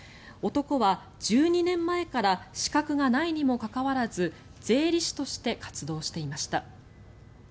男は１２年前から資格がないにもかかわらず税理士として活動していました。